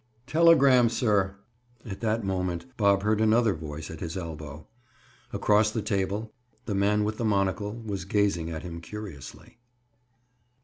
"Telegram, sir!" At that moment Bob heard another voice at his elbow. Across the table the man with the monocle was gazing at him curiously.